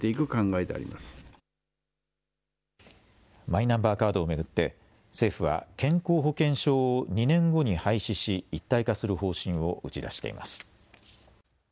マイナンバーカードを巡って政府は健康保険証を２年後に廃止し一体化する方針を打ち出しています。